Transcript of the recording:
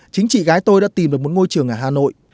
chính chị gái tôi đã tìm được một ngôi trường ở hà nội